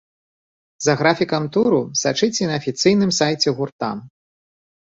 За графікам туру сачыце на афіцыйным сайце гурта.